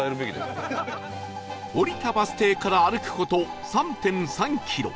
降りたバス停から歩く事 ３．３ キロ